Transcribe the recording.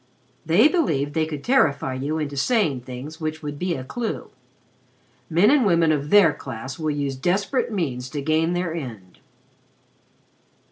They believed they could terrify you into saying things which would be a clue. Men and women of their class will use desperate means to gain their end."